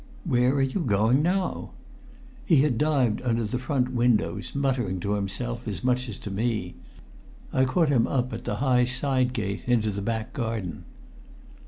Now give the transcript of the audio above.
"Where are you going now?" He had dived under the front windows, muttering to himself as much as to me. I caught him up at the high side gate into the back garden.